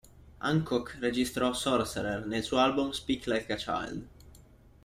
Hancock registrò "Sorcerer" nel suo album "Speak Like a Child".